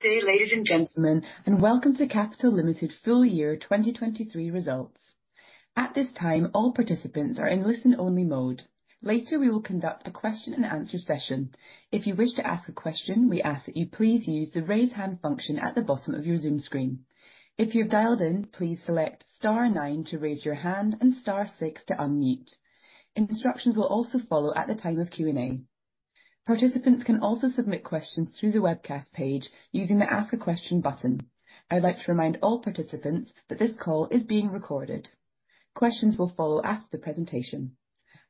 Good day, ladies and gentlemen, and welcome to Capital Limited full year 2023 results. At this time, all participants are in listen-only mode. Later we will conduct a question-and-answer session. If you wish to ask a question, we ask that you please use the raise hand function at the bottom of your Zoom screen. If you have dialed in, please select star nine to raise your hand and star six to unmute. Instructions will also follow at the time of Q&A. Participants can also submit questions through the webcast page using the Ask a Question button. I'd like to remind all participants that this call is being recorded. Questions will follow after the presentation.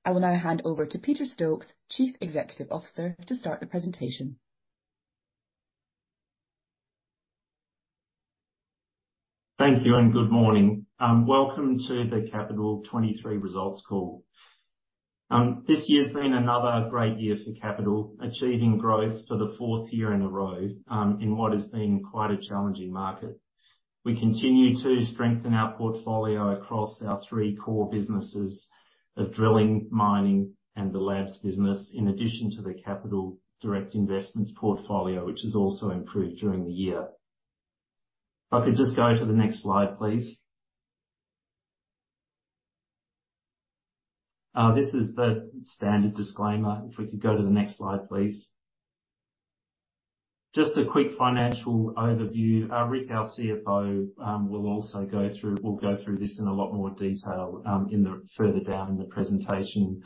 I will now hand over to Peter Stokes, Chief Executive Officer, to start the presentation. Thank you and good morning. Welcome to the Capital Limited 2023 results call. This year's been another great year for Capital Limited, achieving growth for the fourth year in a row in what has been quite a challenging market. We continue to strengthen our portfolio across our three core businesses of drilling, mining, and the labs business, in addition to the Capital Direct Investments portfolio, which has also improved during the year. If I could just go to the next slide, please. This is the standard disclaimer. If we could go to the next slide, please. Just a quick financial overview. Rick, our CFO, will also go through this in a lot more detail further down in the presentation.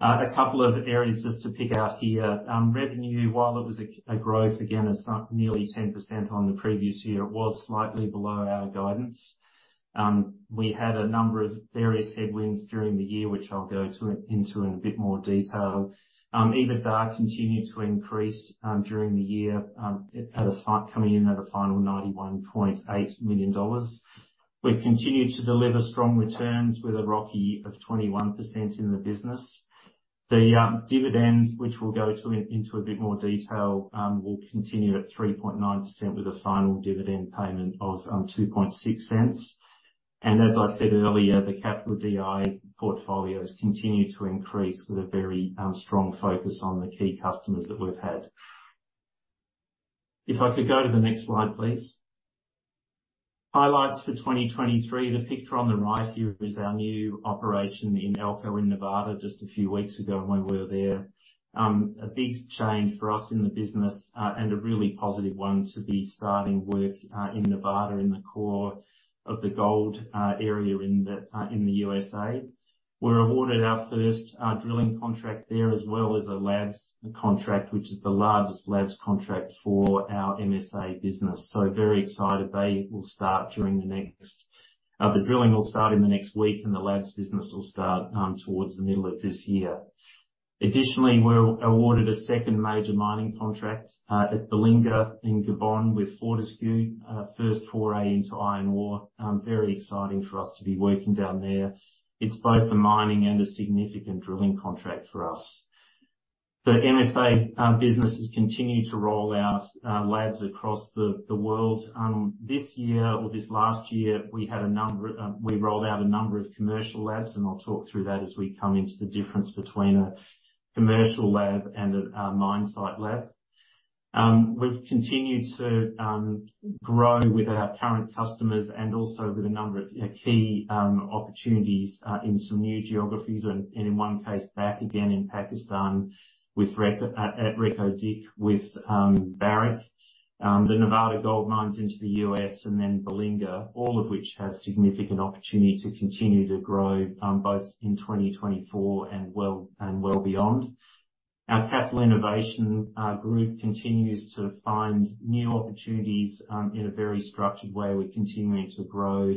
A couple of areas just to pick out here. Revenue, while it was a growth, again, of nearly 10% on the previous year, it was slightly below our guidance. We had a number of various headwinds during the year, which I'll go into in a bit more detail. EBITDA continued to increase during the year, coming in at a final $91.8 million. We've continued to deliver strong returns with a ROCE of 21% in the business. The dividend, which we'll go into a bit more detail, will continue at 3.9% with a final dividend payment of $0.026. And as I said earlier, the Capital DI portfolios continue to increase with a very strong focus on the key customers that we've had. If I could go to the next slide, please. Highlights for 2023. The picture on the right here is our new operation in Elko in Nevada just a few weeks ago when we were there. A big change for us in the business and a really positive one to be starting work in Nevada in the core of the gold area in the USA. We're awarded our first drilling contract there as well as a labs contract, which is the largest labs contract for our MSA business. So very excited. The drilling will start in the next week and the labs business will start towards the middle of this year. Additionally, we're awarded a second major mining contract at Belinga in Gabon with Fortescue's first foray into iron ore. Very exciting for us to be working down there. It's both a mining and a significant drilling contract for us. The MSA business has continued to roll out labs across the world. This year or this last year, we rolled out a number of commercial labs, and I'll talk through that as we come into the difference between a commercial lab and a mine site lab. We've continued to grow with our current customers and also with a number of key opportunities in some new geographies and in one case, back again in Pakistan at Reko Diq with Barrick, the Nevada Gold Mines into the US, and then Belinga, all of which have significant opportunity to continue to grow both in 2024 and well beyond. Our Capital Innovation Group continues to find new opportunities in a very structured way. We're continuing to grow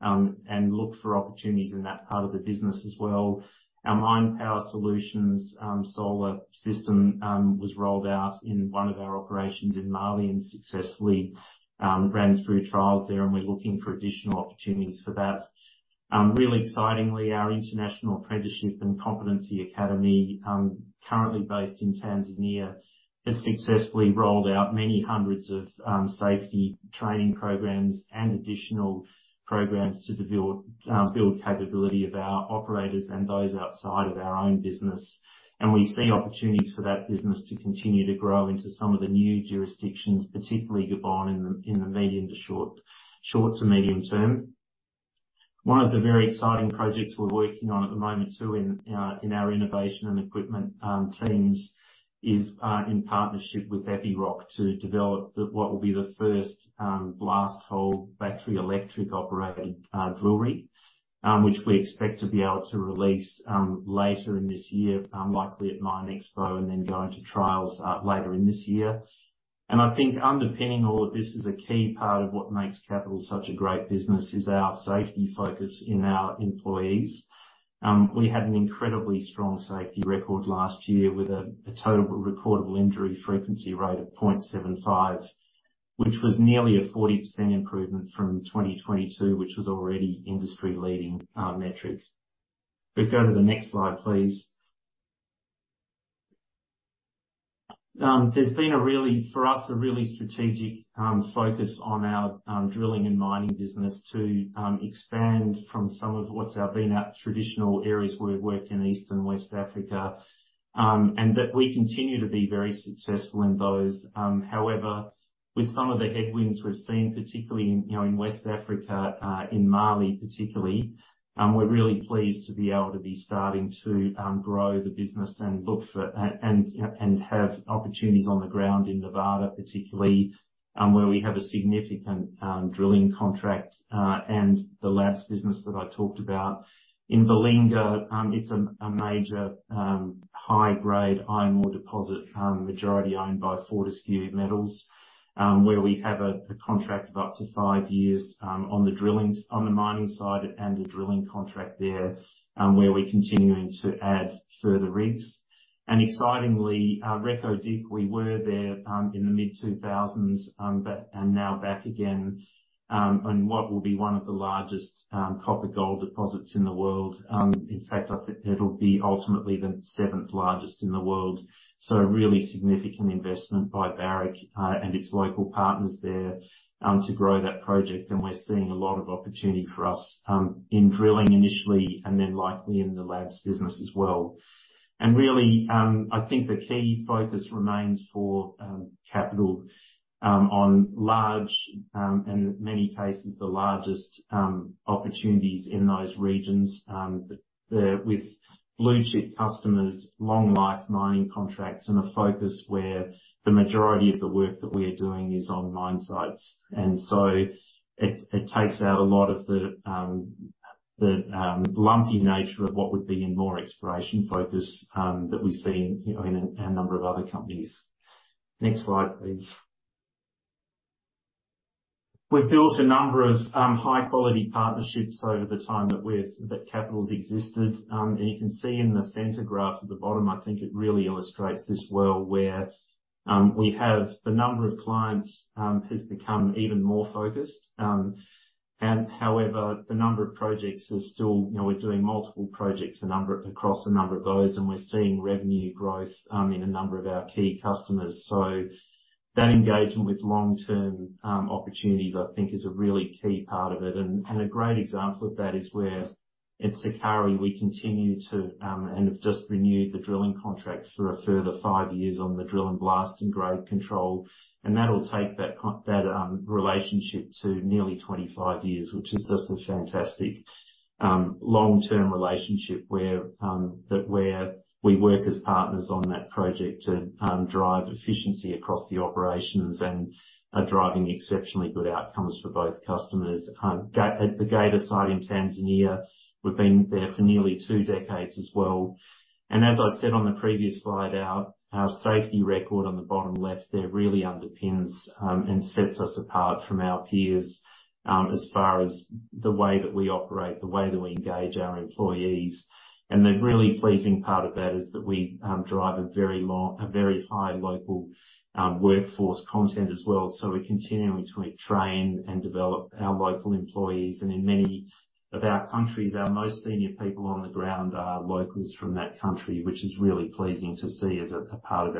and look for opportunities in that part of the business as well. Our Mine Power Solutions solar system was rolled out in one of our operations in Mali and successfully ran through trials there, and we're looking for additional opportunities for that. Really excitingly, our International Apprenticeship and Competency Academy, currently based in Tanzania, has successfully rolled out many hundreds of safety training programs and additional programs to build capability of our operators and those outside of our own business. We see opportunities for that business to continue to grow into some of the new jurisdictions, particularly Gabon in the medium to short to medium term. One of the very exciting projects we're working on at the moment too in our innovation and equipment teams is in partnership with Epiroc to develop what will be the first blast hole battery electric operated drill rig, which we expect to be able to release later in this year, likely at MINExpo and then go into trials later in this year. I think underpinning all of this is a key part of what makes Capital such a great business is our safety focus in our employees. We had an incredibly strong safety record last year with a Total Recordable Injury Frequency Rate of 0.75, which was nearly a 40% improvement from 2022, which was already industry-leading metric. If we go to the next slide, please. There's been, for us, a really strategic focus on our drilling and mining business to expand from some of what's been our traditional areas where we've worked in East and West Africa and that we continue to be very successful in those. However, with some of the headwinds we've seen, particularly in West Africa, in Mali particularly, we're really pleased to be able to be starting to grow the business and look for and have opportunities on the ground in Nevada, particularly where we have a significant drilling contract and the labs business that I talked about. In Belinga, it's a major high-grade iron ore deposit, majority owned by Fortescue Metals, where we have a contract of up to five years on the drillings, on the mining side and a drilling contract there where we're continuing to add further rigs. Excitingly, Reko Diq, we were there in the mid-2000s and now back again on what will be one of the largest copper gold deposits in the world. In fact, I think it'll be ultimately the seventh largest in the world. So a really significant investment by Barrick and its local partners there to grow that project. And we're seeing a lot of opportunity for us in drilling initially and then likely in the labs business as well. And really, I think the key focus remains for Capital on large and in many cases, the largest opportunities in those regions with blue chip customers, long-life mining contracts and a focus where the majority of the work that we are doing is on mine sites. So it takes out a lot of the lumpy nature of what would be in more exploration focus that we see in a number of other companies. Next slide, please. We've built a number of high-quality partnerships over the time that Capital's existed. And you can see in the center graph at the bottom, I think it really illustrates this well where we have the number of clients has become even more focused. And however, the number of projects is still we're doing multiple projects across a number of those, and we're seeing revenue growth in a number of our key customers. So that engagement with long-term opportunities, I think, is a really key part of it. A great example of that is where at Sukari, we continue to and have just renewed the drilling contract for a further five years on the drill and blast and grade control. That'll take that relationship to nearly 25 years, which is just a fantastic long-term relationship where we work as partners on that project to drive efficiency across the operations and are driving exceptionally good outcomes for both customers. At the Geita site in Tanzania, we've been there for nearly two decades as well. As I said on the previous slide, our safety record on the bottom left there really underpins and sets us apart from our peers as far as the way that we operate, the way that we engage our employees. The really pleasing part of that is that we drive a very high local workforce content as well. We're continuing to train and develop our local employees. In many of our countries, our most senior people on the ground are locals from that country, which is really pleasing to see as a part of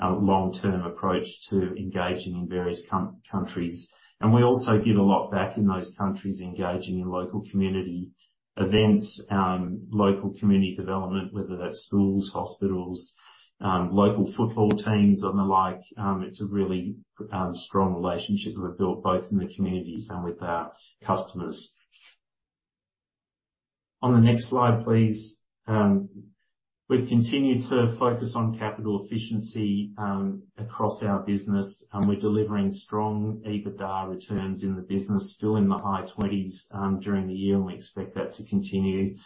our long-term approach to engaging in various countries. We also give a lot back in those countries, engaging in local community events, local community development, whether that's schools, hospitals, local football teams, and the like. It's a really strong relationship we've built both in the communities and with our customers. On the next slide, please. We've continued to focus on capital efficiency across our business. We're delivering strong EBITDA returns in the business, still in the high 20s during the year, and we expect that to continue.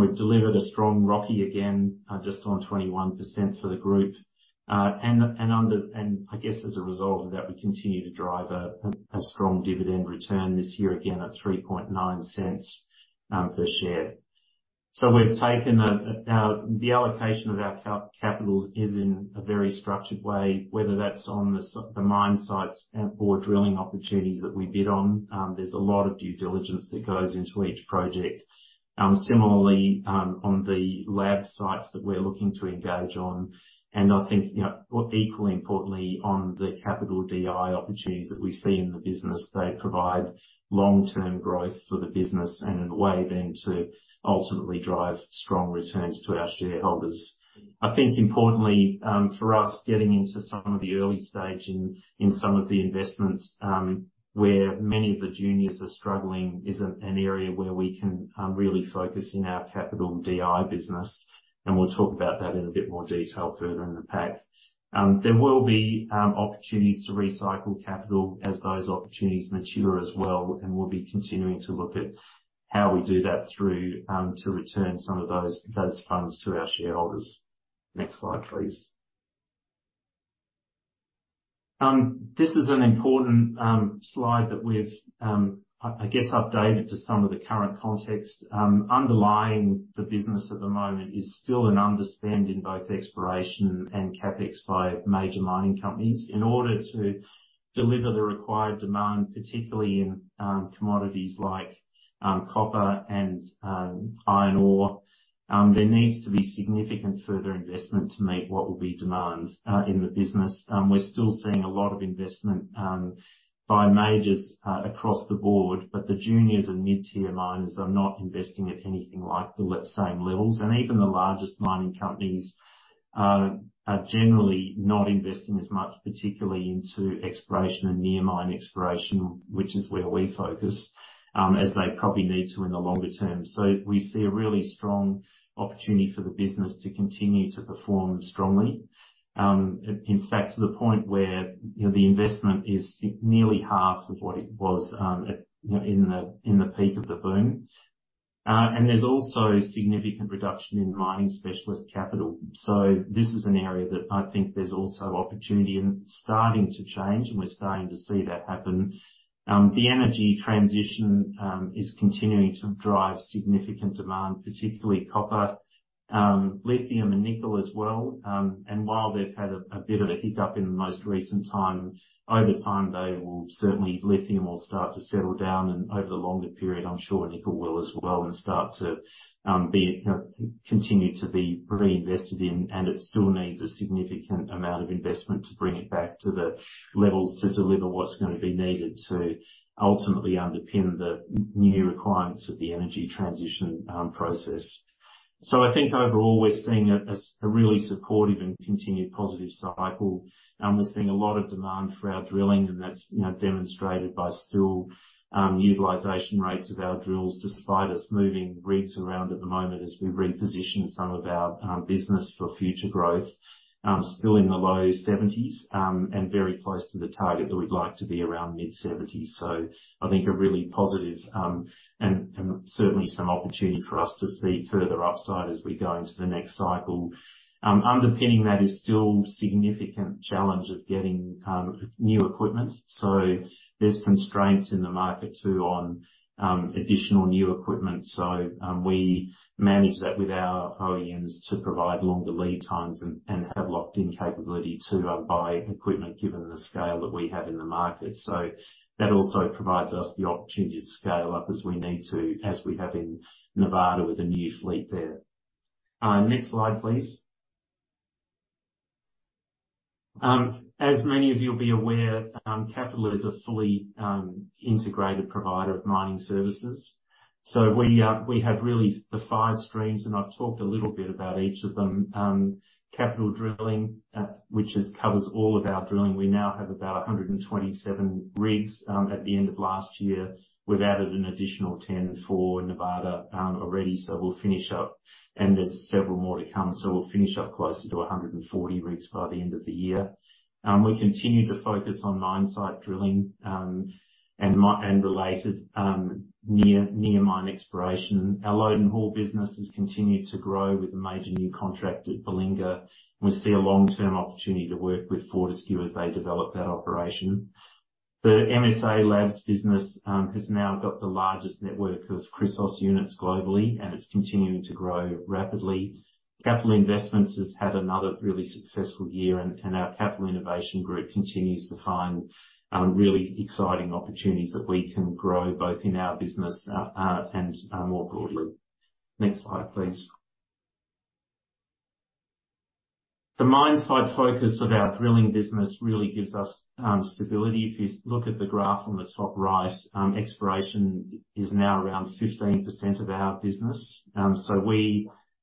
We've delivered a strong ROCE again, just on 21% for the group. I guess as a result of that, we continue to drive a strong dividend return this year again at $0.039 per share. So we've taken the allocation of our capital is in a very structured way, whether that's on the mine sites or drilling opportunities that we bid on. There's a lot of due diligence that goes into each project. Similarly, on the lab sites that we're looking to engage on. And I think equally importantly, on the Capital DI opportunities that we see in the business, they provide long-term growth for the business and in a way then to ultimately drive strong returns to our shareholders. I think importantly for us, getting into some of the early stage in some of the investments where many of the juniors are struggling is an area where we can really focus in our Capital DI business. We'll talk about that in a bit more detail further in the pack. There will be opportunities to recycle capital as those opportunities mature as well. We'll be continuing to look at how we do that through to return some of those funds to our shareholders. Next slide, please. This is an important slide that we've, I guess, updated to some of the current context. Underlying the business at the moment is still an underspend in both exploration and CapEx by major mining companies. In order to deliver the required demand, particularly in commodities like copper and iron ore, there needs to be significant further investment to meet what will be demand in the business. We're still seeing a lot of investment by majors across the board, but the juniors and mid-tier miners are not investing at anything like the same levels. And even the largest mining companies are generally not investing as much, particularly into exploration and near-mine exploration, which is where we focus as they probably need to in the longer term. So we see a really strong opportunity for the business to continue to perform strongly. In fact, to the point where the investment is nearly half of what it was in the peak of the boom. And there's also significant reduction in mining specialist capital. So this is an area that I think there's also opportunity and starting to change, and we're starting to see that happen. The energy transition is continuing to drive significant demand, particularly copper, lithium, and nickel as well. And while they've had a bit of a hiccup in the most recent time, over time, they will certainly lithium will start to settle down. Over the longer period, I'm sure nickel will as well and start to continue to be reinvested in. It still needs a significant amount of investment to bring it back to the levels to deliver what's going to be needed to ultimately underpin the new requirements of the energy transition process. So I think overall, we're seeing a really supportive and continued positive cycle. We're seeing a lot of demand for our drilling, and that's demonstrated by still utilization rates of our drills despite us moving rigs around at the moment as we reposition some of our business for future growth, still in the low 70s and very close to the target that we'd like to be around mid 70s. So I think a really positive and certainly some opportunity for us to see further upside as we go into the next cycle. Underpinning that is still a significant challenge of getting new equipment. So there's constraints in the market too on additional new equipment. So we manage that with our OEMs to provide longer lead times and have locked-in capability to buy equipment given the scale that we have in the market. So that also provides us the opportunity to scale up as we need to as we have in Nevada with a new fleet there. Next slide, please. As many of you'll be aware, Capital is a fully integrated provider of mining services. So we have really the five streams, and I've talked a little bit about each of them. Capital Drilling, which covers all of our drilling. We now have about 127 rigs. At the end of last year, we've added an additional 10 for Nevada already, so we'll finish up. There's several more to come, so we'll finish up closer to 140 rigs by the end of the year. We continue to focus on mine site drilling and related near-mine exploration. Our load and haul business has continued to grow with a major new contract at Belinga. We see a long-term opportunity to work with Fortescue as they develop that operation. The MSA Labs business has now got the largest network of Chrysos units globally, and it's continuing to grow rapidly. Capital Investments has had another really successful year, and our Capital Innovation Group continues to find really exciting opportunities that we can grow both in our business and more broadly. Next slide, please. The mine site focus of our drilling business really gives us stability. If you look at the graph on the top right, exploration is now around 15% of our business. So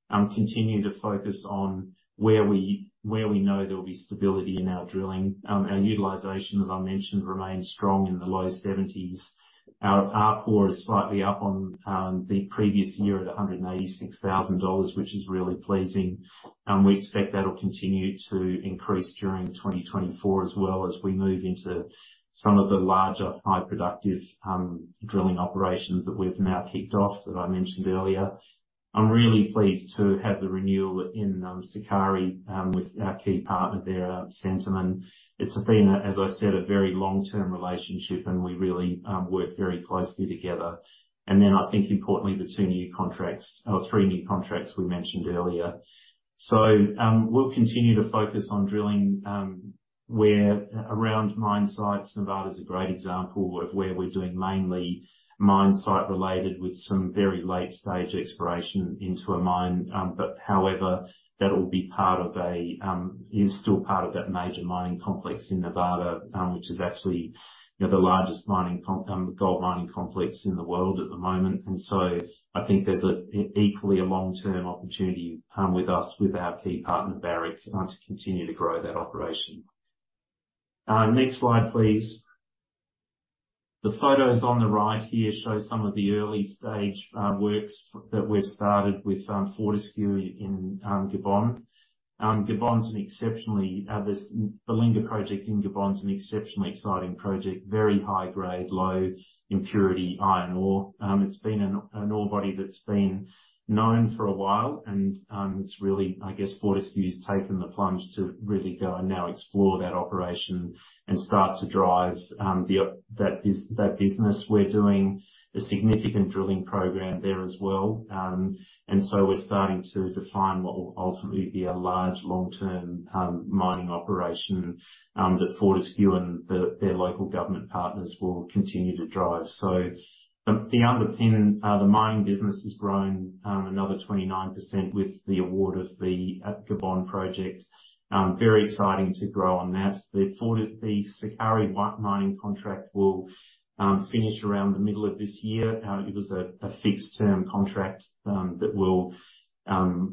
we continue to focus on where we know there'll be stability in our drilling. Our utilisation, as I mentioned, remains strong in the low 70s. Our RPOR is slightly up on the previous year at $186,000, which is really pleasing. We expect that'll continue to increase during 2024 as well as we move into some of the larger high-productive drilling operations that we've now kicked off that I mentioned earlier. I'm really pleased to have the renewal in Sukari with our key partner there, Centamin. It's been, as I said, a very long-term relationship, and we really work very closely together. And then I think importantly, the two new contracts or three new contracts we mentioned earlier. So we'll continue to focus on drilling where around mine sites. Nevada is a great example of where we're doing mainly mine site related with some very late stage exploration into a mine. But however, that'll be part of that major mining complex in Nevada, which is actually the largest gold mining complex in the world at the moment. And so I think there's equally a long-term opportunity with us, with our key partner Barrick, to continue to grow that operation. Next slide, please. The photos on the right here show some of the early stage works that we've started with Fortescue in Gabon. The Belinga project in Gabon is an exceptionally exciting project. Very high grade, low impurity iron ore. It's been an ore body that's been known for a while. And it's really, I guess, Fortescue's taken the plunge to really go and now explore that operation and start to drive that business. We're doing a significant drilling program there as well. So we're starting to define what will ultimately be a large long-term mining operation that Fortescue and their local government partners will continue to drive. So underpinning the mining business has grown another 29% with the award of the Gabon project. Very exciting to grow on that. The Sukari white mining contract will finish around the middle of this year. It was a fixed-term contract that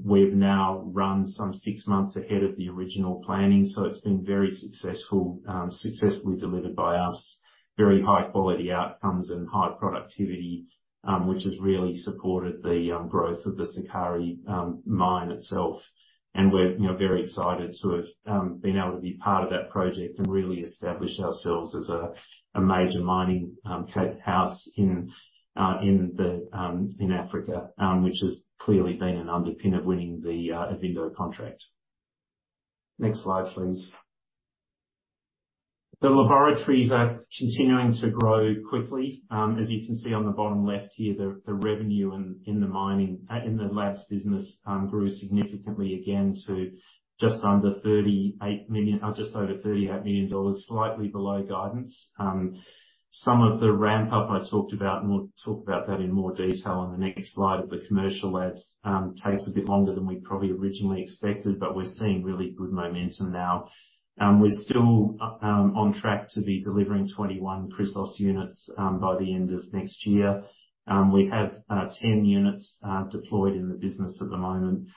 we have now run some six months ahead of the original planning. So it's been very successfully delivered by us. Very high-quality outcomes and high productivity, which has really supported the growth of the Sukari mine itself. And we're very excited to have been able to be part of that project and really establish ourselves as a major mining house in Africa which has clearly been an underpinning of winning the Ivindo contract. Next slide, please. The laboratories are continuing to grow quickly. As you can see on the bottom left here, the revenue in the mining in the labs business grew significantly again to just under $38 million, just over $38 million, slightly below guidance. Some of the ramp-up I talked about and we'll talk about that in more detail on the next slide of the commercial labs takes a bit longer than we probably originally expected, but we're seeing really good momentum now. We're still on track to be delivering 21 Chrysos units by the end of next year. We have 10 units deployed in the business at the moment.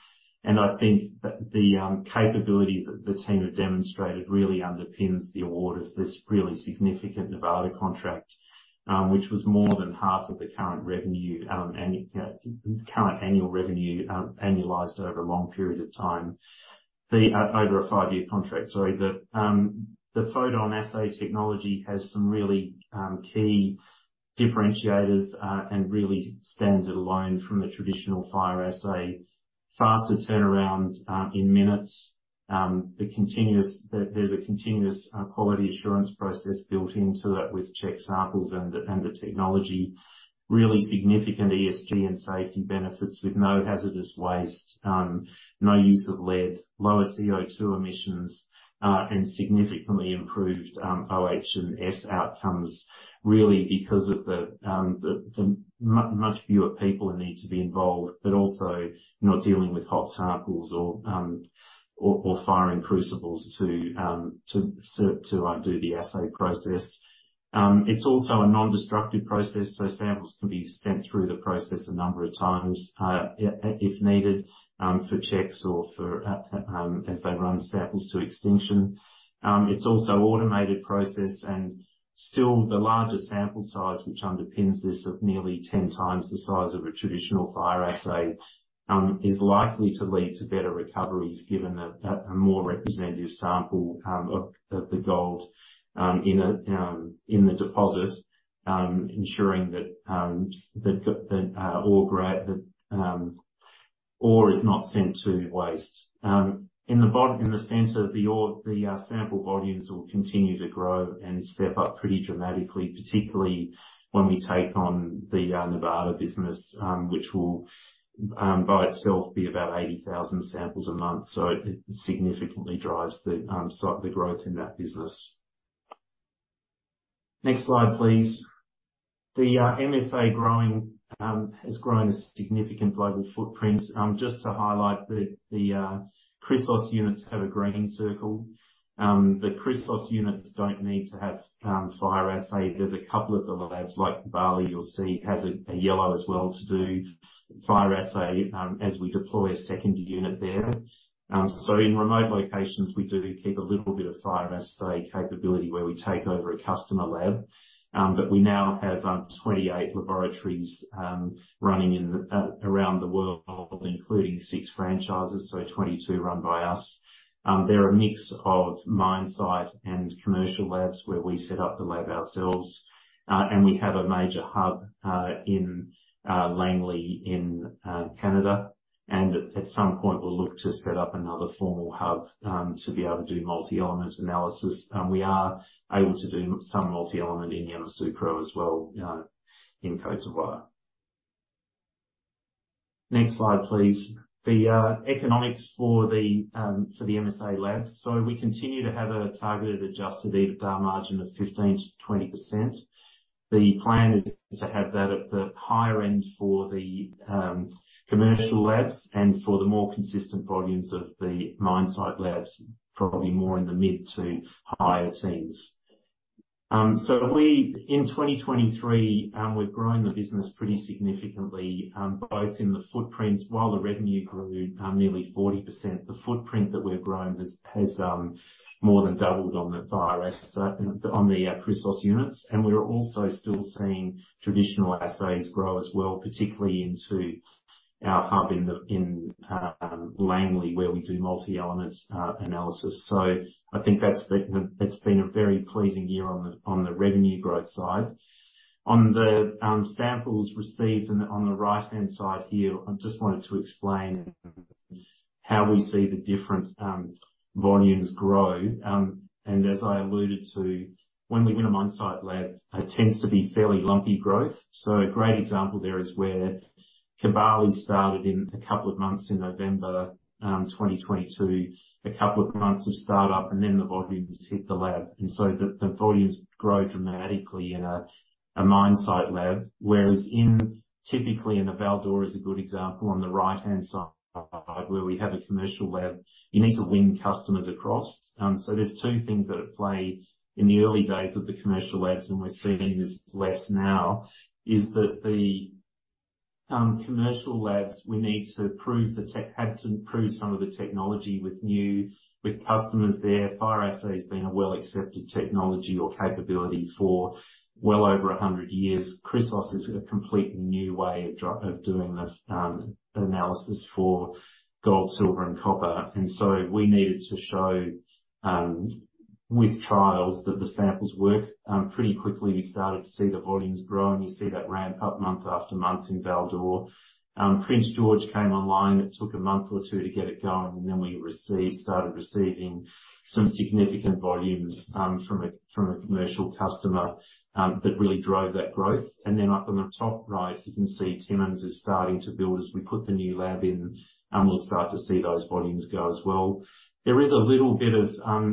And I think that the capability that the team have demonstrated really underpins the award of this really significant Nevada contract which was more than half of the current revenue and current annual revenue annualized over a long period of time. The over a five-year contract, sorry. The PhotonAssay technology has some really key differentiators and really stands it alone from the traditional fire assay. Faster turnaround in minutes. There's a continuous quality assurance process built into that with check samples and the technology. Really significant ESG and safety benefits with no hazardous waste, no use of lead, lower CO2 emissions, and significantly improved OH&S outcomes really because of the much fewer people need to be involved but also not dealing with hot samples or firing crucibles to do the assay process. It's also a non-destructive process, so samples can be sent through the process a number of times if needed for checks or for as they run samples to extinction. It's also automated process. And still, the larger sample size which underpins this of nearly 10 times the size of a traditional fire assay is likely to lead to better recoveries given a more representative sample of the gold in the deposit, ensuring that the ore is not sent to waste. In the center of the sample volumes will continue to grow and step up pretty dramatically, particularly when we take on the Nevada business which will by itself be about 80,000 samples a month. So it significantly drives the growth in that business. Next slide, please. The MSA Labs has grown a significant global footprint. Just to highlight, the Chrysos units have a green circle. The Chrysos units don't need to have fire assay. There's a couple of the labs like Val-d'Or you'll see has a yellow as well to do fire assay as we deploy a second unit there. So in remote locations, we do keep a little bit of fire assay capability where we take over a customer lab. But we now have 28 laboratories running around the world, including 6 franchises, so 22 run by us. They're a mix of mine site and commercial labs where we set up the lab ourselves. And we have a major hub in Langley in Canada. And at some point, we'll look to set up another formal hub to be able to do multi-element analysis. We are able to do some multi-element in Yamoussoukro as well in Côte d'Ivoire. Next slide, please. The economics for the MSA Labs. So we continue to have a targeted adjusted EBITDA margin of 15%-20%. The plan is to have that at the higher end for the commercial labs and for the more consistent volumes of the mine site labs, probably more in the mid to higher teens. So in 2023, we've grown the business pretty significantly both in the footprints while the revenue grew nearly 40%. The footprint that we've grown has more than doubled on the fire assay on the Chrysos units. And we're also still seeing traditional assays grow as well, particularly into our hub in Langley where we do multi-element analysis. So I think that's been a very pleasing year on the revenue growth side. On the samples received on the right-hand side here, I just wanted to explain how we see the different volumes grow. And as I alluded to, when we win a mine site lab, it tends to be fairly lumpy growth. So a great example there is where Kibali started in a couple of months in November 2022, a couple of months of startup, and then the volumes hit the lab. And so the volumes grow dramatically in a mine site lab, whereas typically in a Val-d'Or is a good example on the right-hand side where we have a commercial lab, you need to win customers across. So there's two things that are at play in the early days of the commercial labs, and we're seeing this less now, is that the commercial labs, we need to prove we had to prove some of the technology with new customers there. Fire assay has been a well-accepted technology or capability for well over 100 years. Chrysos is a completely new way of doing the analysis for gold, silver, and copper. So we needed to show with trials that the samples work pretty quickly. We started to see the volumes grow. You see that ramp up month after month in Val-d'Or. Prince George came online. It took a month or two to get it going. Then we started receiving some significant volumes from a commercial customer that really drove that growth. Then up on the top right, you can see Timmins is starting to build as we put the new lab in. We'll start to see those volumes go as well. There is a little bit of,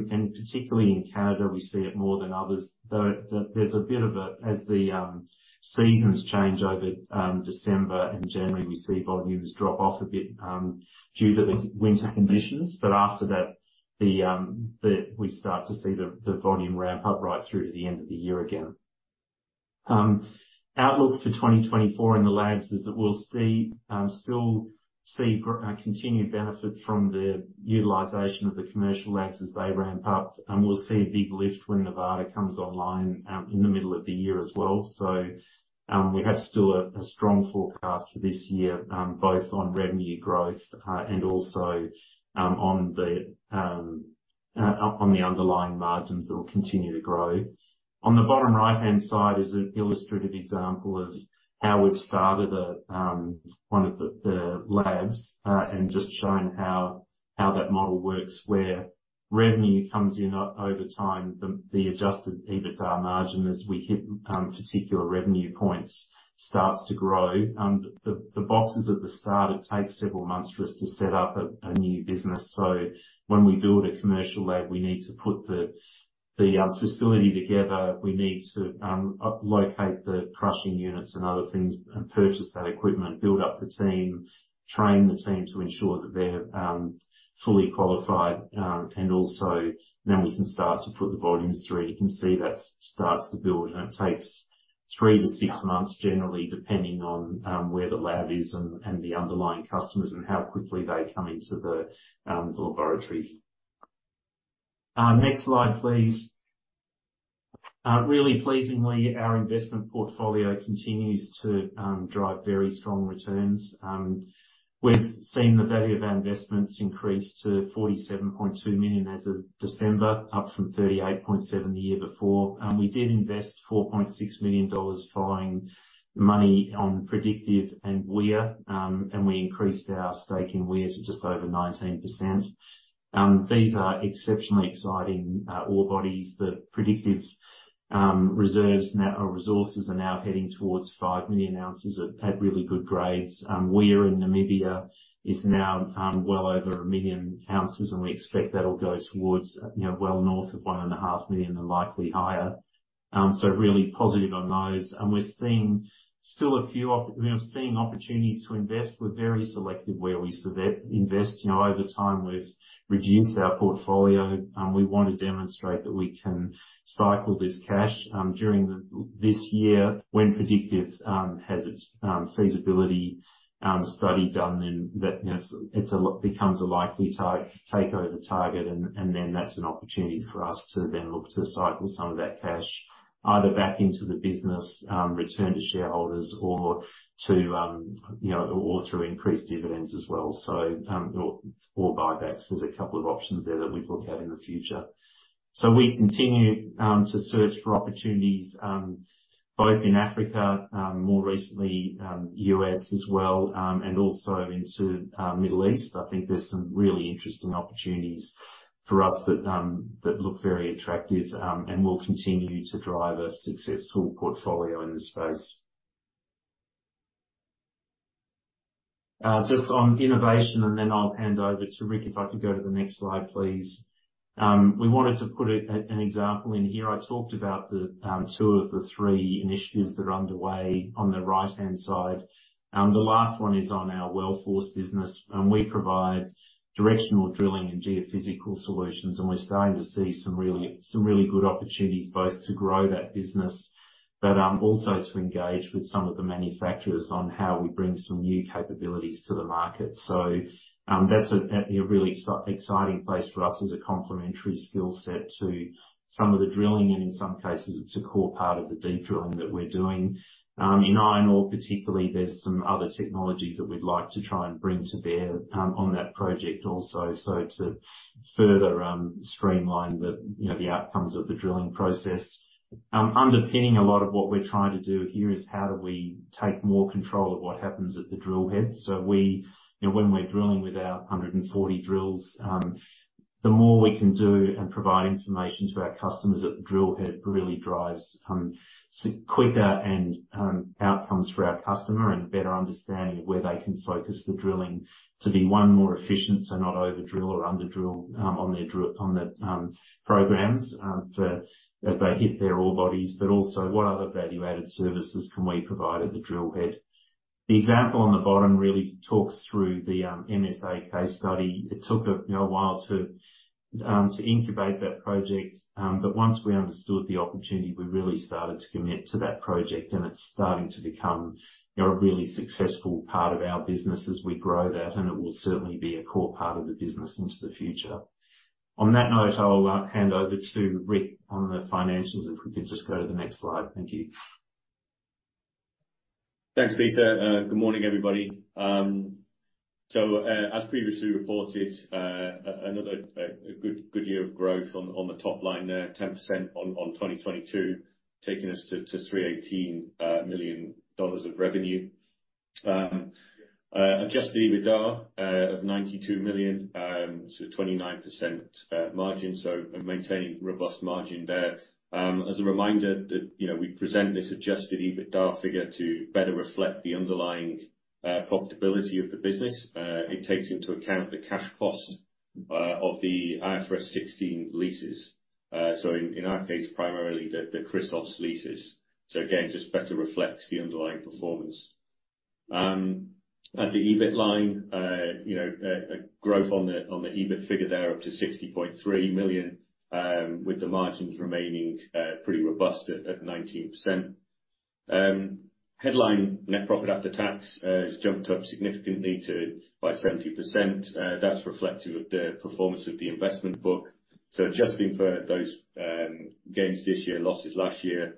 and particularly in Canada, we see it more than others, though that there's a bit of it as the seasons change over December and January, we see volumes drop off a bit due to the winter conditions. But after that, we start to see the volume ramp up right through to the end of the year again. Outlook for 2024 in the labs is that we'll still see continued benefit from the utilization of the commercial labs as they ramp up. We'll see a big lift when Nevada comes online in the middle of the year as well. So we have still a strong forecast for this year, both on revenue growth and also on the underlying margins that will continue to grow. On the bottom right-hand side is an illustrative example of how we've started one of the labs and just shown how that model works where revenue comes in over time. The Adjusted EBITDA margin as we hit particular revenue points starts to grow. The boxes at the start, it takes several months for us to set up a new business. So when we build a commercial lab, we need to put the facility together. We need to locate the crushing units and other things and purchase that equipment, build up the team, train the team to ensure that they're fully qualified. Also then we can start to put the volumes through. You can see that starts to build. And it takes 3-6 months generally, depending on where the lab is and the underlying customers and how quickly they come into the laboratory. Next slide, please. Really pleasingly, our investment portfolio continues to drive very strong returns. We've seen the value of our investments increase to $47.2 million as of December, up from $38.7 million the year before. We did invest $4.6 million following money on Predictive and Wia. And we increased our stake in Wia to just over 19%. These are exceptionally exciting ore bodies. The Predictive reserves now or resources are now heading towards 5 million ounces at really good grades. Wia in Namibia is now well over 1 million ounces. And we expect that'll go towards well north of 1.5 million and likely higher. So really positive on those. And we're seeing still a few opportunities to invest. We're very selective where we invest. Over time, we've reduced our portfolio. We want to demonstrate that we can cycle this cash during this year. When Predictive has its feasibility study done, then that becomes a likely takeover target. And then that's an opportunity for us to then look to cycle some of that cash either back into the business, return to shareholders, or through increased dividends as well. So or buybacks. There's a couple of options there that we look at in the future. So we continue to search for opportunities both in Africa, more recently U.S. as well, and also into Middle East. I think there's some really interesting opportunities for us that look very attractive. And we'll continue to drive a successful portfolio in this space. Just on innovation, and then I'll hand over to Rick if I could go to the next slide, please. We wanted to put an example in here. I talked about the two of the three initiatives that are underway on the right-hand side. The last one is on our Well Force business. We provide directional drilling and geophysical solutions. And we're starting to see some really good opportunities both to grow that business but also to engage with some of the manufacturers on how we bring some new capabilities to the market. So that's a really exciting place for us as a complementary skill set to some of the drilling and in some cases, it's a core part of the deep drilling that we're doing. In iron ore, particularly, there's some other technologies that we'd like to try and bring to bear on that project also so to further streamline the outcomes of the drilling process. Underpinning a lot of what we're trying to do here is how do we take more control of what happens at the drill head. So when we're drilling with our 140 drills, the more we can do and provide information to our customers at the drill head really drives quicker outcomes for our customer and a better understanding of where they can focus the drilling to be one more efficient so not overdrill or underdrill on their programs as they hit their ore bodies. But also, what other value-added services can we provide at the drill head? The example on the bottom really talks through the MSA case study. It took a while to incubate that project. But once we understood the opportunity, we really started to commit to that project. And it's starting to become a really successful part of our business as we grow that. And it will certainly be a core part of the business into the future. On that note, I'll hand over to Rick on the financials if we could just go to the next slide. Thank you. Thanks, Peter. Good morning, everybody. So as previously reported, another good year of growth on the top line there, 10% on 2022, taking us to $318 million of revenue. Adjusted EBITDA of $92 million, so 29% margin. So maintaining robust margin there. As a reminder that we present this Adjusted EBITDA figure to better reflect the underlying profitability of the business. It takes into account the cash cost of the IFRS 16 leases. So in our case, primarily the Cat leases. So again, just better reflects the underlying performance. At the EBIT line, growth on the EBIT figure there up to $60.3 million with the margins remaining pretty robust at 19%. Headline net profit after tax has jumped up significantly by 70%. That's reflective of the performance of the investment book. So adjusting for those gains this year, losses last year,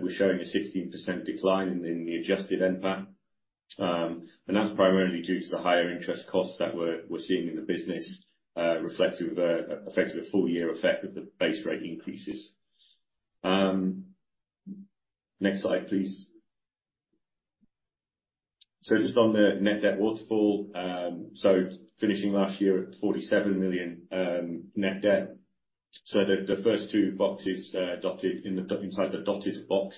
we're showing a 16% decline in the adjusted NPAT. And that's primarily due to the higher interest costs that we're seeing in the business, effectively a full-year effect of the base rate increases. Next slide, please. Just on the net debt waterfall, finishing last year at $47 million net debt. The first two boxes dotted inside the dotted box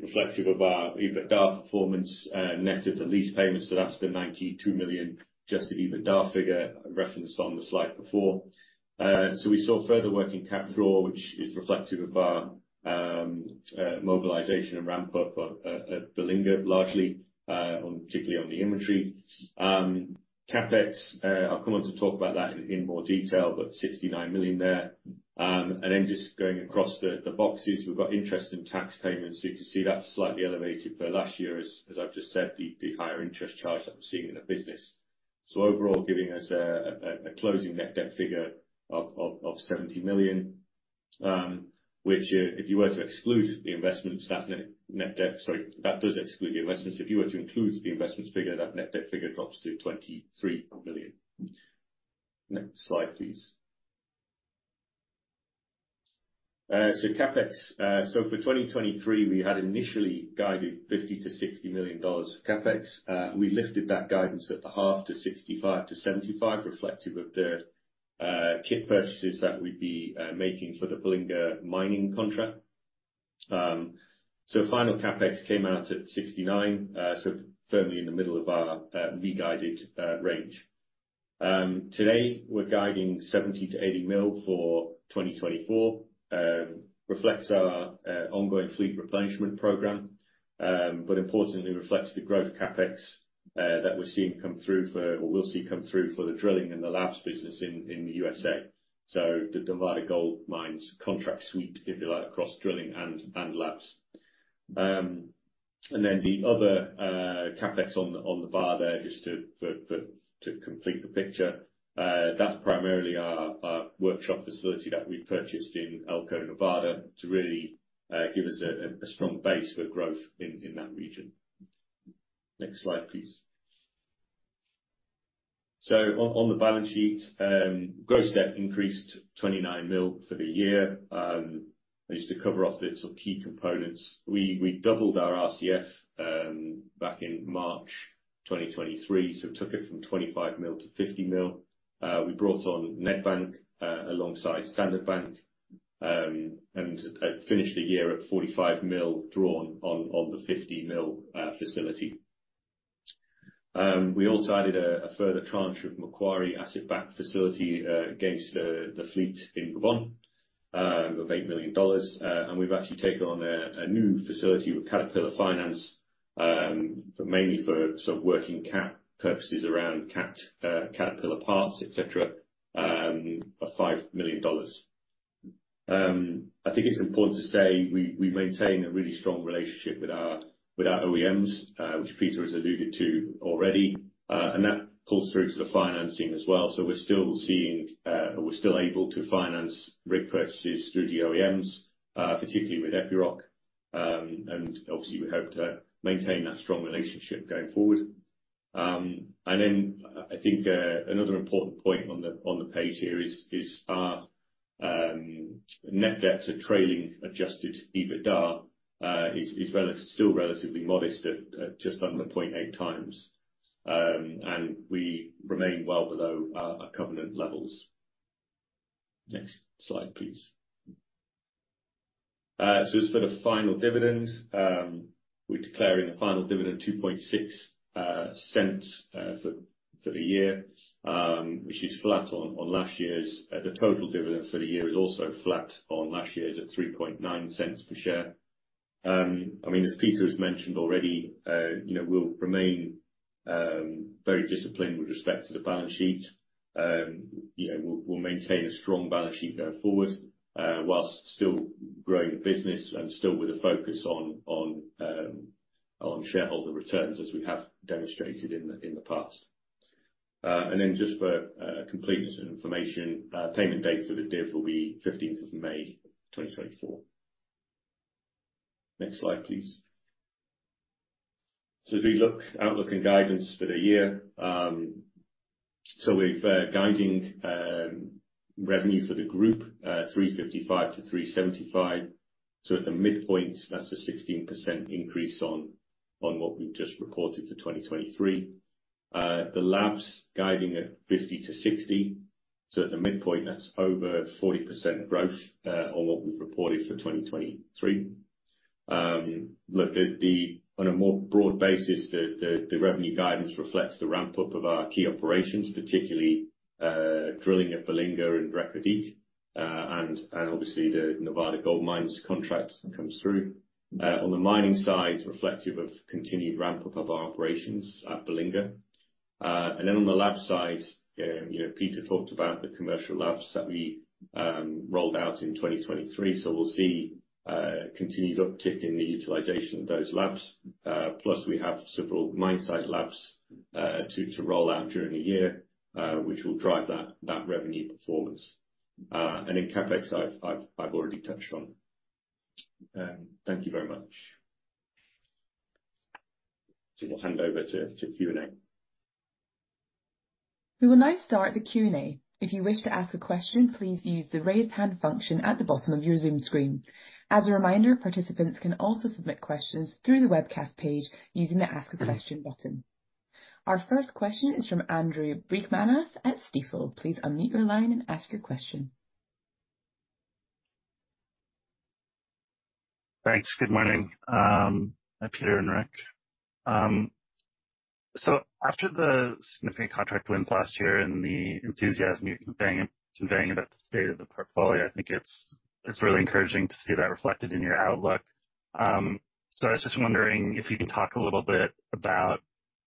reflective of our EBITDA performance net of the lease payments. That's the $92 million adjusted EBITDA figure referenced on the slide before. We saw further working cap draw, which is reflective of our mobilization and ramp-up at Belinga, particularly on the inventory. Capex, I'll come on to talk about that in more detail, but $69 million there. Then just going across the boxes, we've got interest and tax payments. You can see that's slightly elevated for last year, as I've just said, the higher interest charge that we're seeing in the business. So overall, giving us a closing net debt figure of $70 million, which if you were to exclude the investments, that net debt—sorry, that does exclude the investments. If you were to include the investments figure, that net debt figure drops to $23 million. Next slide, please. So for 2023, we had initially guided $50-$60 million of CapEx. We lifted that guidance at the half to $65-$75 million, reflective of the kit purchases that we'd be making for the Belinga mining contract. So final CapEx came out at $69 million, so firmly in the middle of our re-guided range. Today, we're guiding $70-$80 million for 2024. Reflects our ongoing fleet replenishment program, but importantly, reflects the growth CapEx that we're seeing come through for or we'll see come through for the drilling and the labs business in the USA, so the Nevada Gold Mines contract suite, if you like, across drilling and labs. Then the other CapEx on the bar there, just to complete the picture, that's primarily our workshop facility that we purchased in Elko, Nevada, to really give us a strong base for growth in that region. Next slide, please. On the balance sheet, growth debt increased $29 million for the year. I just to cover off the sort of key components. We doubled our RCF back in March 2023, so took it from $25 million to $50 million. We brought on Nedbank alongside Standard Bank and finished the year at $45 million drawn on the $50 million facility. We also added a further tranche of Macquarie asset-backed facility against the fleet in Gabon of $8 million. We've actually taken on a new facility with Caterpillar Finance, mainly for sort of working cap purposes around CAT, Caterpillar Parts, etc., of $5 million. I think it's important to say we maintain a really strong relationship with our OEMs, which Peter has alluded to already. That pulls through to the financing as well. We're still seeing or we're still able to finance rig purchases through the OEMs, particularly with Epiroc. Obviously, we hope to maintain that strong relationship going forward. Then I think another important point on the page here is our Net Debt to trailing Adjusted EBITDA is still relatively modest at just under 0.8 times. We remain well below our covenant levels. Next slide, please. So just for the final dividends, we're declaring a final dividend of USD 0.026 for the year, which is flat on last year's. The total dividend for the year is also flat on last year's at 0.039 per share. I mean, as Peter has mentioned already, we'll remain very disciplined with respect to the balance sheet. We'll maintain a strong balance sheet going forward while still growing the business and still with a focus on shareholder returns as we have demonstrated in the past. And then just for completeness and information, payment date for the div will be 15th of May 2024. Next slide, please. So as we look outlook and guidance for the year, so we're guiding revenue for the group 355 million-375 million. So at the midpoint, that's a 16% increase on what we've just reported for 2023. The labs guiding at 50 million-60 million. So at the midpoint, that's over 40% growth on what we've reported for 2023. Look, on a more broad basis, the revenue guidance reflects the ramp-up of our key operations, particularly drilling at Belinga and Reko Diq. And obviously, the Nevada Gold Mines contract comes through. On the mining side, reflective of continued ramp-up of our operations at Belinga. And then on the lab side, Peter talked about the commercial labs that we rolled out in 2023. So we'll see continued uptick in the utilization of those labs. Plus, we have several mine-site labs to roll out during the year, which will drive that revenue performance. And then CapEx, I've already touched on. Thank you very much. So we'll hand over to Q&A. We will now start the Q&A. If you wish to ask a question, please use the raise hand function at the bottom of your Zoom screen. As a reminder, participants can also submit questions through the webcast page using the Ask a Question button. Our first question is from Andrew Breichmanas at Stifel. Please unmute your line and ask your question. Thanks. Good morning, Peter and Rick. So after the significant contract win last year and the enthusiasm you've been conveying about the state of the portfolio, I think it's really encouraging to see that reflected in your outlook. So I was just wondering if you could talk a little bit about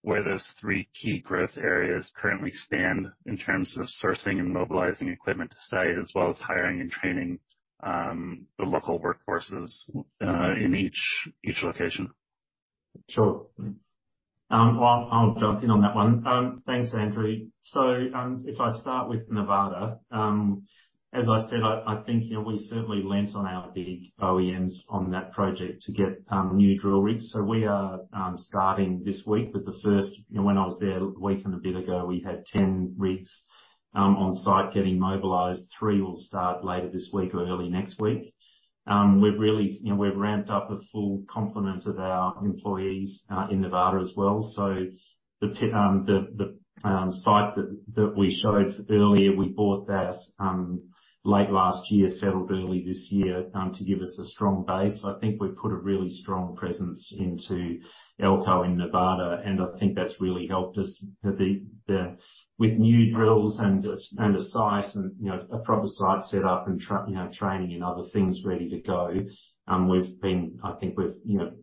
where those three key growth areas currently stand in terms of sourcing and mobilising equipment to site as well as hiring and training the local workforces in each location. Sure. Well, I'll jump in on that one. Thanks, Andrew. So if I start with Nevada, as I said, I think we certainly lent on our big OEMs on that project to get new drill rigs. So we are starting this week with the first when I was there, a week and a bit ago, we had 10 rigs on site getting mobilized. Three will start later this week or early next week. We've ramped up a full complement of our employees in Nevada as well. So the site that we showed earlier, we bought that late last year, settled early this year to give us a strong base. So I think we put a really strong presence into Elko in Nevada. And I think that's really helped us with new drills and a site and a proper site setup and training and other things ready to go. I think we've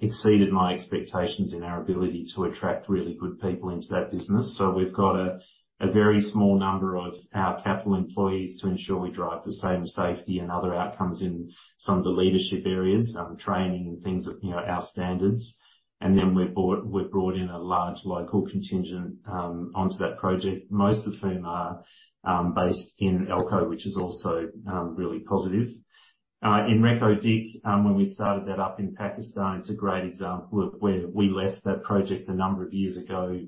exceeded my expectations in our ability to attract really good people into that business. So we've got a very small number of our capital employees to ensure we drive the same safety and other outcomes in some of the leadership areas, training and things of our standards. And then we've brought in a large local contingent onto that project, most of whom are based in Elko, which is also really positive. In Reko Diq, when we started that up in Pakistan, it's a great example of where we left that project a number of years ago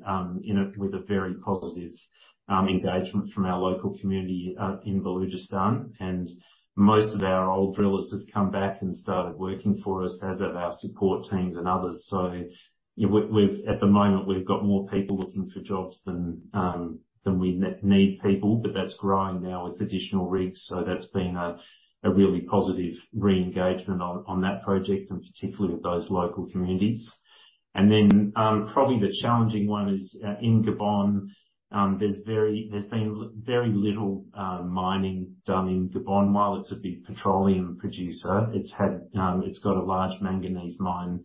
with a very positive engagement from our local community in Balochistan. And most of our old drillers have come back and started working for us as have our support teams and others. So at the moment, we've got more people looking for jobs than we need people. But that's growing now with additional rigs. So that's been a really positive re-engagement on that project, and particularly with those local communities. Then probably the challenging one is in Gabon; there's been very little mining done in Gabon. While it's a big petroleum producer, it's got a large manganese mine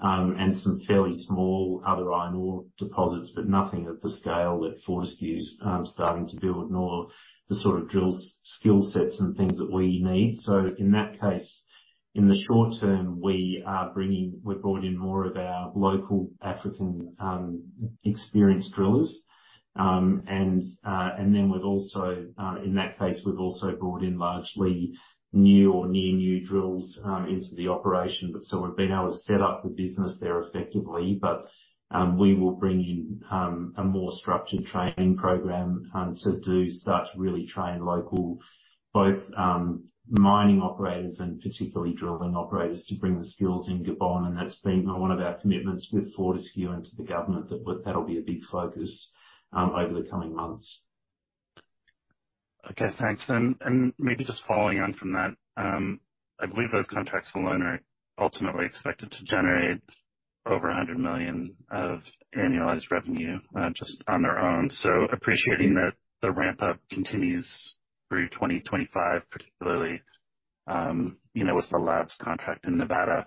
and some fairly small other iron ore deposits, but nothing at the scale that Fortescue's starting to build nor the sort of drill skill sets and things that we need. So in that case, in the short term, we're brought in more of our local African experienced drillers. Then in that case, we've also brought in largely new or near-new drills into the operation. So we've been able to set up the business there effectively. We will bring in a more structured training program to start to really train local both mining operators and particularly drilling operators to bring the skills in Gabon. That's been one of our commitments with Fortescue and to the government that that'll be a big focus over the coming months. Okay. Thanks. Maybe just following on from that, I believe those contracts alone are ultimately expected to generate over $100 million of annualized revenue just on their own. Appreciating that the ramp-up continues through 2025, particularly with the labs contract in Nevada,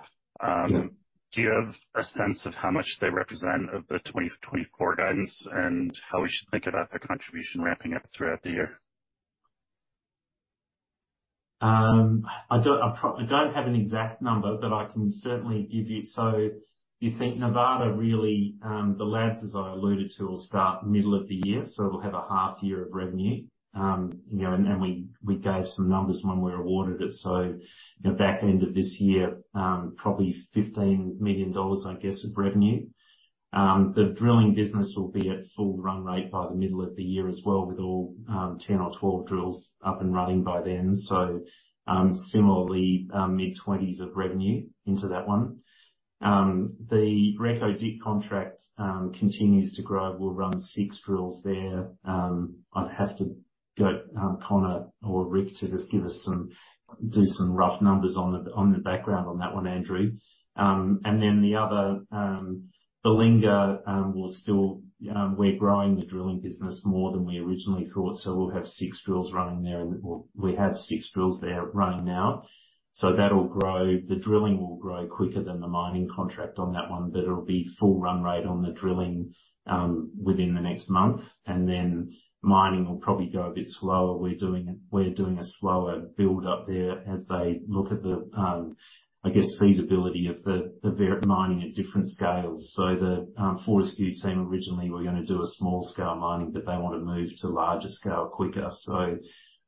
do you have a sense of how much they represent of the 2024 guidance and how we should think about their contribution ramping up throughout the year? I don't have an exact number, but I can certainly give you some so you think Nevada really the labs, as I alluded to, will start middle of the year. So it'll have a half year of revenue. And we gave some numbers when we awarded it. So back end of this year, probably $15 million, I guess, of revenue. The drilling business will be at full run rate by the middle of the year as well, with all 10 or 12 drills up and running by then. So similarly, mid-20s of revenue into that one. The Reko Diq contract continues to grow. We'll run six drills there. I'd have to get Conor or Rick to just give us some do some rough numbers on the background on that one, Andrew. And then the other, Belinga, we're growing the drilling business more than we originally thought. So we'll have six drills running there or we have six drills there running now. So that'll grow the drilling will grow quicker than the mining contract on that one. But it'll be full run rate on the drilling within the next month. And then mining will probably go a bit slower. We're doing a slower build-up there as they look at the, I guess, feasibility of the mining at different scales. So the Fortescue team, originally, were going to do a small-scale mining, but they want to move to larger scale quicker. So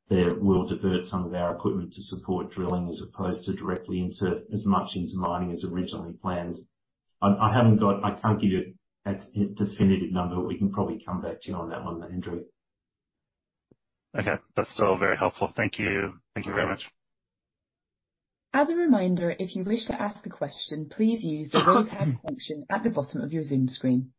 they will divert some of our equipment to support drilling as opposed to directly into as much into mining as originally planned. I can't give you a definitive number, but we can probably come back to you on that one, Andrew. Okay. That's still very helpful. Thank you. Thank you very much. As a reminder, if you wish to ask a question, please use the raise hand function at the bottom of your Zoom screen.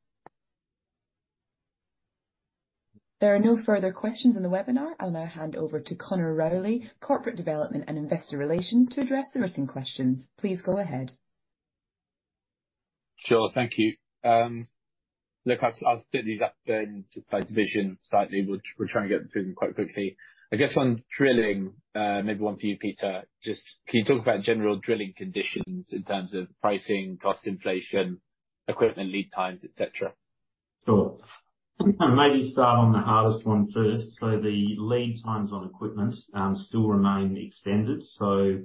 There are no further questions in the webinar. I'll now hand over to Conor Rowley, Corporate Development and Investor Relations, to address the written questions. Please go ahead. Sure. Thank you. Look, I'll split these up then just by division slightly. We're trying to get through them quite quickly. I guess on drilling, maybe one for you, Peter, just can you talk about general drilling conditions in terms of pricing, cost inflation, equipment lead times, etc.? Sure. Maybe start on the hardest one first. So the lead times on equipment still remain extended. So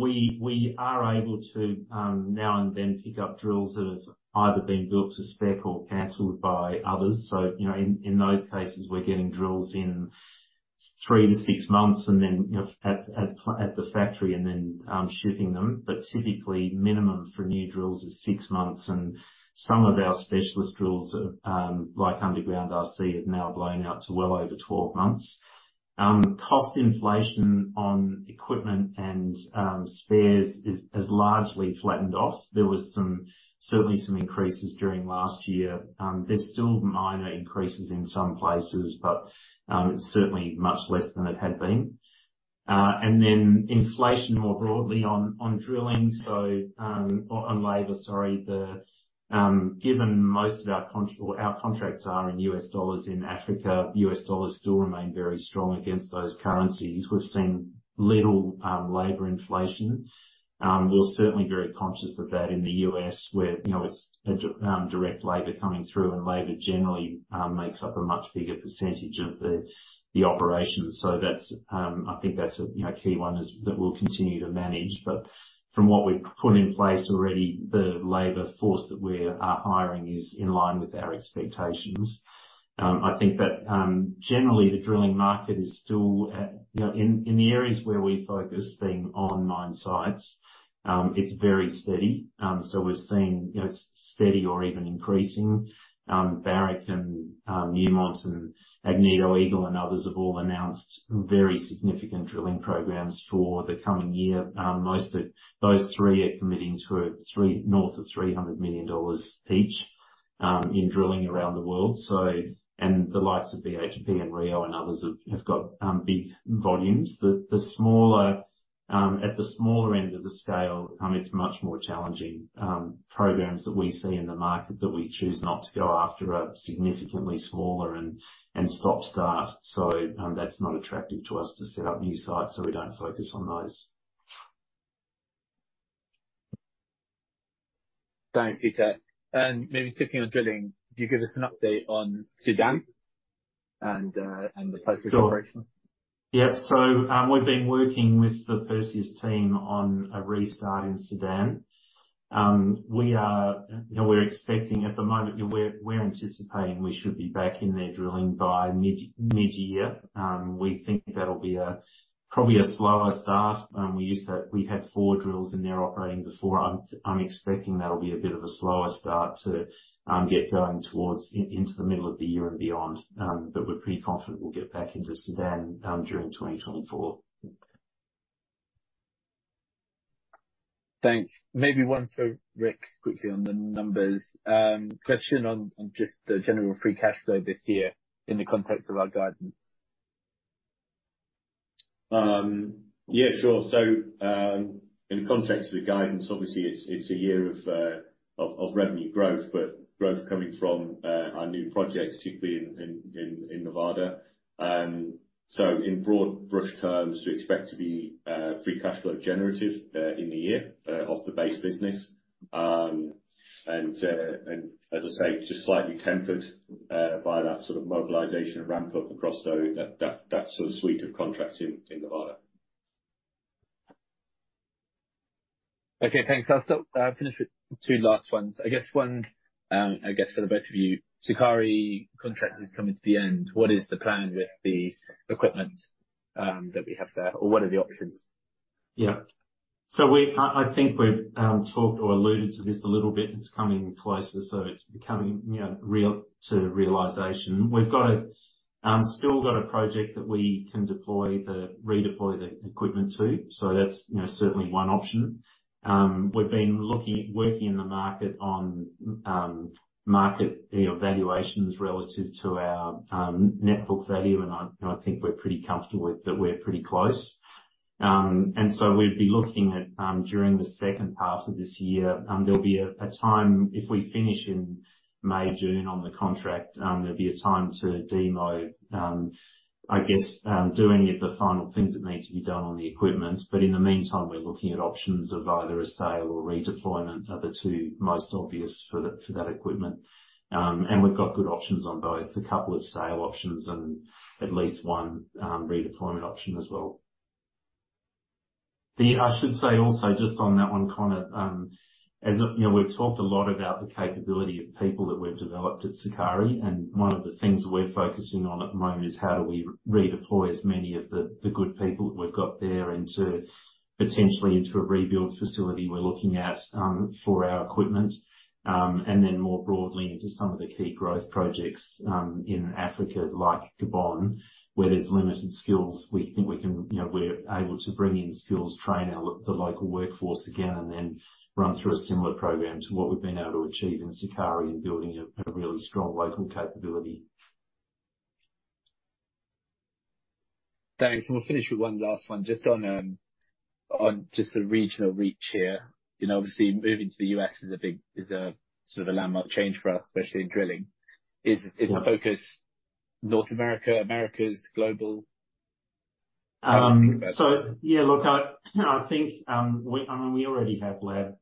we are able to now and then pick up drills that have either been built to spec or cancelled by others. So in those cases, we're getting drills in three to six months and then at the factory and then shipping them. But typically, minimum for new drills is six months. And some of our specialist drills, like Underground RC, have now blown out to well over 12 months. Cost inflation on equipment and spares has largely flattened off. There were certainly some increases during last year. There's still minor increases in some places, but it's certainly much less than it had been. And then inflation more broadly on drilling or on labour, sorry. Given most of our contracts are in US dollars in Africa, US dollars still remain very strong against those currencies. We've seen little labor inflation. We're certainly very conscious of that in the US where it's direct labor coming through and labor generally makes up a much bigger percentage of the operations. So I think that's a key one that we'll continue to manage. But from what we've put in place already, the labor force that we're hiring is in line with our expectations. I think that generally, the drilling market is still in the areas where we focus, being on mine sites, it's very steady. So we've seen it's steady or even increasing. Barrick and Newmont and Agnico Eagle and others have all announced very significant drilling programs for the coming year. Most of those three are committing to north of $300 million each in drilling around the world. The likes of BHP and Rio and others have got big volumes. At the smaller end of the scale, it's much more challenging. Programs that we see in the market that we choose not to go after are significantly smaller and stop-start. So that's not attractive to us to set up new sites. So we don't focus on those. Thanks, Peter. Maybe sticking on drilling, could you give us an update on Sudan and the pace of operation? Yep. So we've been working with the Perseus team on a restart in Sudan. We're expecting at the moment, we're anticipating we should be back in there drilling by mid-year. We think that'll be probably a slower start. We had four drills in there operating before. I'm expecting that'll be a bit of a slower start to get going towards into the middle of the year and beyond. But we're pretty confident we'll get back into Sudan during 2024. Thanks. Maybe one for Rick quickly on the numbers. Question on just the general free cash flow this year in the context of our guidance. Yeah, sure. So in the context of the guidance, obviously, it's a year of revenue growth, but growth coming from our new project, particularly in Nevada. So in broad brush terms, we expect to be free cash flow generative in the year off the base business. And as I say, just slightly tempered by that sort of mobilisation and ramp-up across that sort of suite of contracts in Nevada. Okay. Thanks. I'll finish with two last ones. I guess one, I guess for the both of you, Sukari contract is coming to the end. What is the plan with the equipment that we have there? Or what are the options? Yeah. So I think we've talked or alluded to this a little bit. It's coming closer. So it's becoming to realization. We've still got a project that we can redeploy the equipment to. So that's certainly one option. We've been working in the market on market valuations relative to our net book value. And I think we're pretty comfortable with that we're pretty close. And so we'd be looking at during the second half of this year, there'll be a time if we finish in May, June on the contract, there'll be a time to demob, I guess, do any of the final things that need to be done on the equipment. But in the meantime, we're looking at options of either a sale or redeployment are the two most obvious for that equipment. We've got good options on both, a couple of sale options and at least one redeployment option as well. I should say also, just on that one, Conor, we've talked a lot about the capability of people that we've developed at Sukari. And one of the things we're focusing on at the moment is how do we redeploy as many of the good people that we've got there potentially into a rebuild facility we're looking at for our equipment? And then more broadly into some of the key growth projects in Africa like Gabon, where there's limited skills, we think we can we're able to bring in skills, train the local workforce again, and then run through a similar program to what we've been able to achieve in Sukari in building a really strong local capability. Thanks. And we'll finish with one last one. Just on the regional reach here. Obviously, moving to the U.S. is a big sort of a landmark change for us, especially in drilling. Is the focus North America, Americas, global? So yeah, look, I think I mean, we already have lab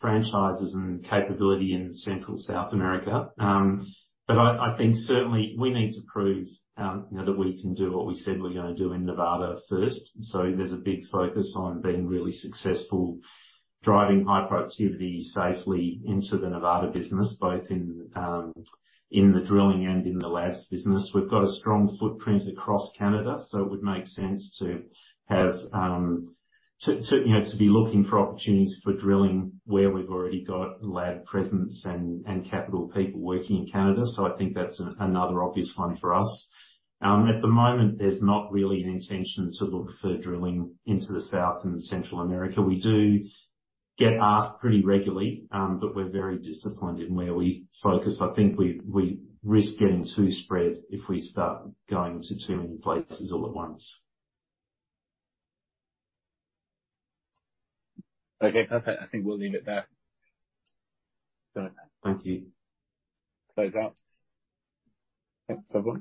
franchises and capability in Central and South America. But I think certainly we need to prove that we can do what we said we were going to do in Nevada first. So there's a big focus on being really successful, driving high productivity safely into the Nevada business, both in the drilling and in the labs business. We've got a strong footprint across Canada. So it would make sense to be looking for opportunities for drilling where we've already got lab presence and Capital people working in Canada. So I think that's another obvious one for us. At the moment, there's not really an intention to look for drilling into the South and Central America. We do get asked pretty regularly, but we're very disciplined in where we focus. I think we risk getting too spread if we start going to too many places all at once. Okay. Perfect. I think we'll leave it there. Thank you. Close out. Thanks, everyone.